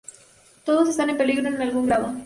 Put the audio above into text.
Todos están en peligro en algún grado.